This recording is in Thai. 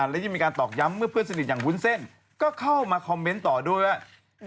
และยังมีการตอกย้ำเมื่อเพื่อนสนิทอย่างวุ้นเส้นก็เข้ามาคอมเมนต์ต่อด้วยว่า